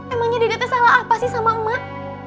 emangnya didata salah apa sih sama emak